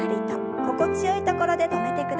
心地よいところで止めてください。